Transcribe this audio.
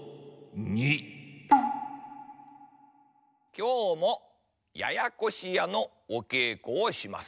きょうも「ややこしや」のおけいこをします。